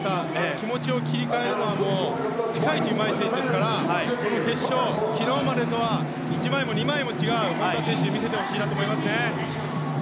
気持ちを切り替えるのはピカイチでうまい選手ですからこの決勝、昨日までは１枚も２枚も違う本多選手を見せてほしいなと思いますよね。